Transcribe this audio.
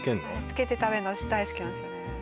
付けて食べんの私大好きなんですよね